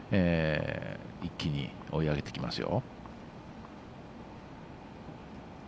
一気に追い上げてきますよ。